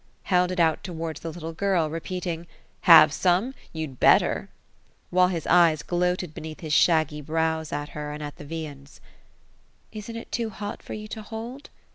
held it out towards the little girl, repeating, " Have some ? you'd better !" while his eyes gloated beneath his shaggy brows, at her, and at the viands. '* Isn't it too hot for you to hold